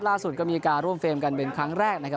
ล่าสุดกรมอินิการ่วมเฟรมกันเป็นครั้งแรก